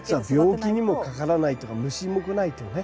病気にもかからないとか虫も来ないとかね